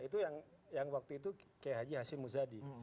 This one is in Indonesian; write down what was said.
itu yang waktu itu ki haji asyik musyadi